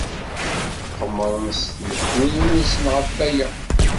Qemmren s tmeddurin-nsen ɣef waya.